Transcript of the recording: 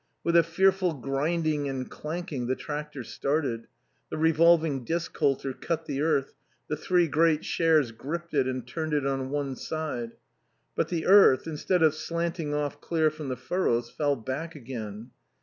With a fearful grinding and clanking the tractor started. The revolving disc coulter cut the earth; the three great shares gripped it and turned it on one side. But the earth, instead of slanting off clear from the furrows, fell back again.